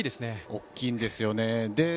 大きいんですよね。